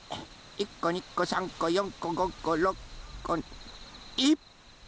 １こ２こ３こ４こ５こ６こいっぱい！